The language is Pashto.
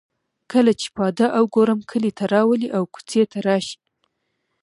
کله چې پاده او ګورم کلي ته راولي او کوڅې ته راشي.